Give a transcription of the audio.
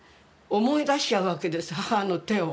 思い出しちゃうわけです、母の手を